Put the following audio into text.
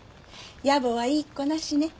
野暮は言いっこなしね。